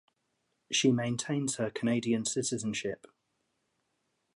She maintains her Canadian citizenship.